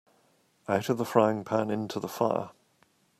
Out of the frying-pan into the fire